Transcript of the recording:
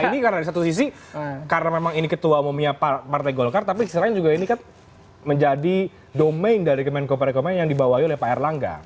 ini karena di satu sisi karena memang ini ketua umumnya partai golkar tapi selain juga ini kan menjadi domain dari kemenko perekonomian yang dibawahi oleh pak erlangga